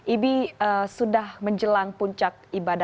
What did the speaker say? ibi sudah menjelang puncak ibadah